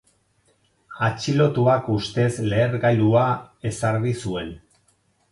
Atxilotuak ustez lehergailua ezarri zuen.